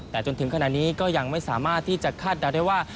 แต่จนถึงขณะนี้ก็ยังไม่สามารถที่จะคาดเดาได้ว่า